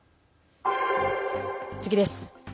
次です。